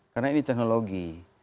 karena ini teknologi